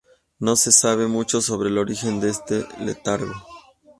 No se sabe mucho sobre el origen de este letargo.